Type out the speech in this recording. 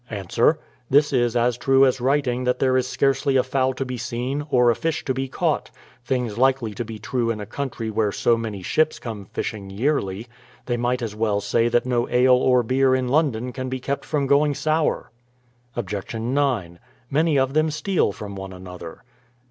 Ans: This is as true as writing that there is scarcely a fowl to be seen, or a fish to be caught ; things likely to be true in a country where so many ships come fishing yearly! They might as well say that no ale or beer in London can be kept from going sour. Obj. 9. Many of them steal from one another.